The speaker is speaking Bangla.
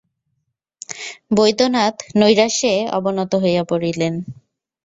বৈদ্যনাথ নৈরাশ্যে অবনত হইয়া পড়িলেন।